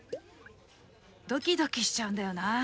ドキドキしちゃうんだよなあ。